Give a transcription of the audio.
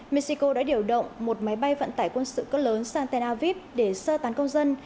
mexico đã điều động một máy bay vận tải quân sự cấp lớn santana vip để sơ tán công dân